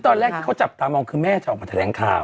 ตอนแรกที่เขาจับตามองคือแม่จะออกมาแถลงข่าว